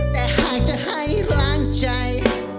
แต่หากจะให้ล้างใจ